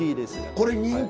これ人気？